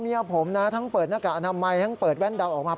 เมียผมนะทั้งเปิดหน้ากากอนามัยทั้งเปิดแว่นเดาออกมา